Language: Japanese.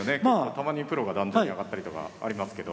たまにプロが壇上に上がったりとかありますけど。